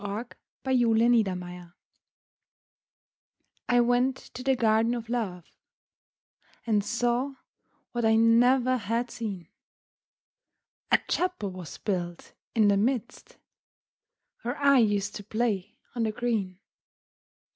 THE GARDEN OF LOVE I went to the Garden of Love, And saw what I never had seen; A Chapel was built in the midst, Where I used to play on the green.